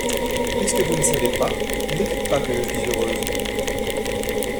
Puisque vous ne savez pas, ne dites pas que je suis heureuse.